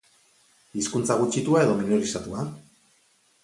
Hizkuntza gutxitua edo minorizatua?